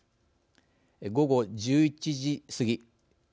午後１１時過ぎ